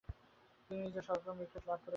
তিনি নিজের শততম উইকেট লাভ করেছিলেন।